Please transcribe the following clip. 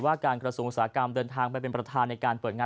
การกระทรวงอุตสาหกรรมเดินทางไปเป็นประธานในการเปิดงาน